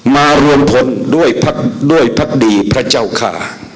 มารวมพลด้วยพักดีพระเจ้าขา